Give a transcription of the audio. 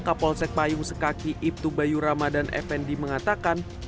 konsek payung sekaki ibtu bayu ramadhan fnd mengatakan